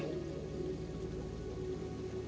dan menjaga diri